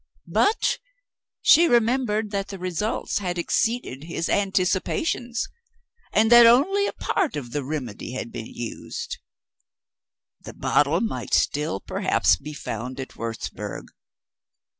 But she remembered that the results had exceeded his anticipations, and that only a part of the remedy had been used. The bottle might still perhaps be found at Wurzburg.